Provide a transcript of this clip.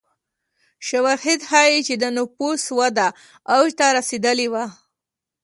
شواهد ښيي چې د نفوسو وده اوج ته رسېدلې وه.